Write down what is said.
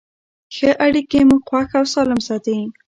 ښه اړیکې موږ خوښ او سالم ساتي.